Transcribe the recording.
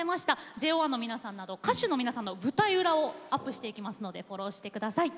ＪＯ１の皆さんなど歌手の皆さんの舞台裏をアップしていきますのでフォローしてください。